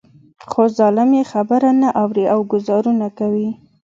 خو ظالم يې خبره نه اوري او ګوزارونه کوي.